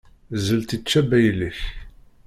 Zzelt ičča baylek.